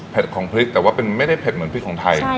เผ็ดของพริกแต่มันมันไม่ได้เผ็ดเหมือนพริกของไทย